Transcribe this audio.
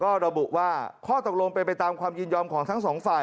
ก็ระบุว่าข้อตกลงเป็นไปตามความยินยอมของทั้งสองฝ่าย